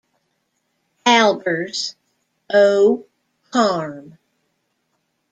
Albers, O. Carm.